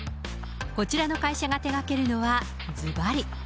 こちらの会社が手がけるのはずばり。